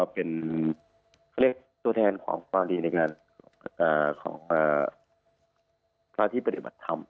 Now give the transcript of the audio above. เป็นตัวแทนของความดีของคราวที่ปัดิบัตรธรรม